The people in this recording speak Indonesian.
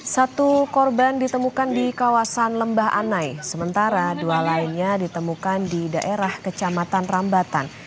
satu korban ditemukan di kawasan lembah anai sementara dua lainnya ditemukan di daerah kecamatan rambatan